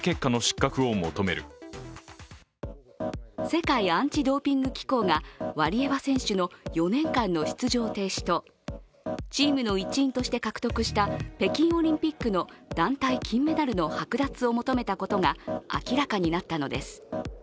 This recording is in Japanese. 世界アンチ・ドーピング機構がワリエワ選手の４年間の出場停止とチームの一員として獲得した北京オリンピックの団体金メダルの剥奪を求めたことが明らかになったのです。